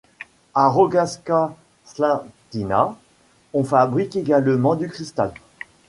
À Rogaška Slatina, on fabrique également du cristal.